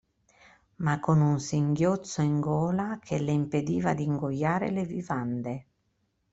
Ma con un singhiozzo in gola che le impediva d'ingoiare le vivande.